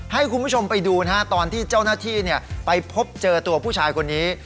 ให้คุณผู้ชมไปดูนะฮะตอนที่เจ้าหน้าที่ไปพบเจอตัวผู้ชายคนนี้